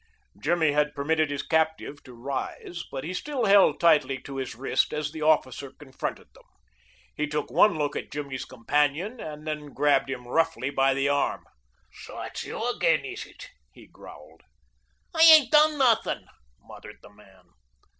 Jimmy had permitted his captive to rise, but he still held tightly to his wrist as the officer confronted them. He took one look at Jimmy's companion, and then grabbed him roughly by the arm. "So, it's you again, is it?" he growled. "I ain't done nuthin'," muttered the man.